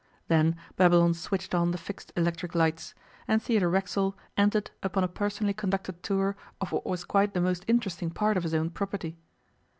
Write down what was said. Then Babylon switched on the fixed electric lights, and Theodore Racksole entered upon a personally conducted tour of what was quite the most interesting part of his own property.